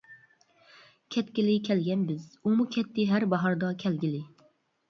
كەتكىلى كەلگەن بىز. ئۇمۇ كەتتى ھەر باھاردا كەلگىلى!